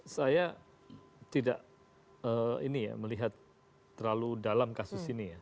saya tidak melihat terlalu dalam kasus ini ya